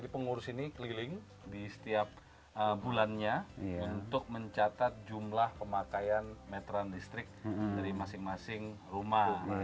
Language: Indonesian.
pengurus ini keliling di setiap bulannya untuk mencatat jumlah pemakaian meteran listrik dari masing masing rumah